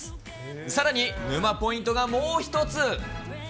さらに、沼ポイントがもう一つ。